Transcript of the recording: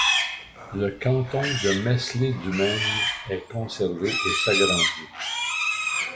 Le canton de Meslay-du-Maine est conservé et s'agrandit.